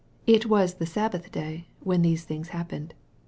It was the Sabbath day, when these things happened.